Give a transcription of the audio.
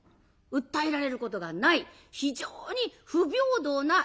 訴えられることがない非常に不平等な罪でございます。